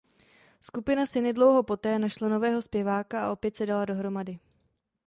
Skupina si nedlouho poté našla nového zpěváka a opět se dala dohromady.